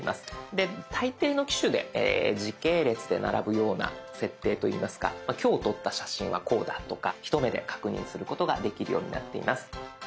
で大抵の機種で時系列で並ぶような設定といいますか今日撮った写真はこうだとか一目で確認することができるようになっています。